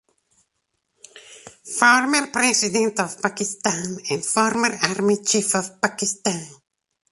Former President of Pakistan and Former Army chief of Pakistan